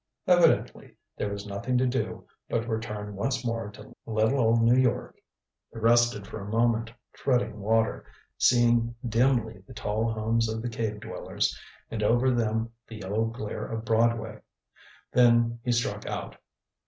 Evidently there was nothing to do but return once more to little old New York. He rested for a moment, treading water, seeing dimly the tall homes of the cave dwellers, and over them the yellow glare of Broadway. Then he struck out.